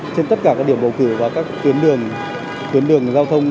trên tất cả các điểm bầu cử và các tuyến đường giao thông